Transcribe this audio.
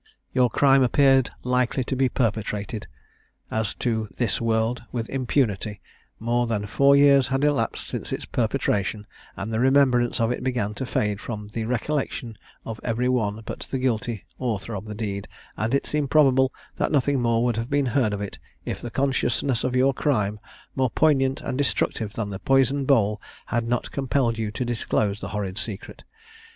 Your crime appeared likely to be perpetrated, as to this world, with impunity; more than four years had elapsed since its perpetration, and the remembrance of it began to fade from the recollection of every one but the guilty author of the deed, and it seemed probable, that nothing more would have been heard of it, if the consciousness of your crime, more poignant and destructive than the poisoned bowl, had not compelled you to disclose the horrid secret.